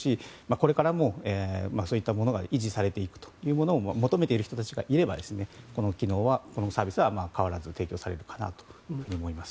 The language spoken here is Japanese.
これからも、そういったものが維持されていくというものを求めている人たちがいればこの機能、サービスは変わらず提供されるのかなと思います。